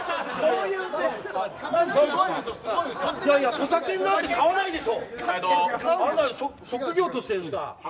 土佐犬なんて飼わないでしょ。